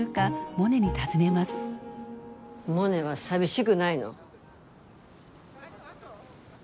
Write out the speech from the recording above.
モネは寂しぐないの？